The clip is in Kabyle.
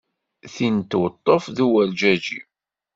Tin n tweṭṭuft d uwerǧeǧi.